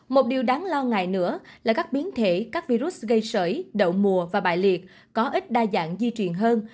một điều đáng lo ngại nữa là các biến thể các virus gây sởi đậu mùa và bại liệt có ít đa dạng di chuyển hơn